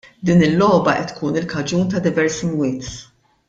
Din il-logħba qed tkun il-kaġun ta' diversi mwiet.